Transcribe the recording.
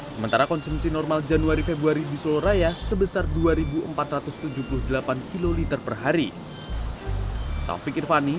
sementara konsumsi normal januari februari di solo raya sebesar dua empat ratus tujuh puluh delapan kiloliter per hari